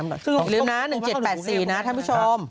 อย่าลืมนะ๑๗๘๔นะท่านผู้ชม